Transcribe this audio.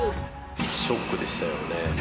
ショックでしたよね。